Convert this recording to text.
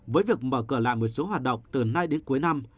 với việc mở cửa lại một số hoạt động từ nay đến cuối năm